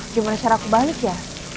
gimana cara aku balik ya